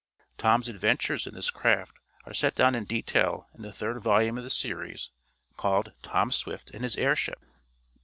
Tom's adventures in this craft are set down in detail in the third volume of the series, called "Tom Swift and His Airship."